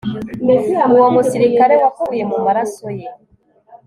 Uwo musirikare wapfuye mumaraso ye